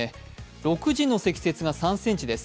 ６時の積雪が３ｃｍです。